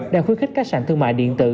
đã khuyến khích các sản thương mại điện tử